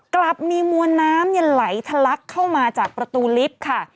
กลับมีมวลน้ำไหลทะลักเข้ามาจากประตูลิฟต์ค่ะ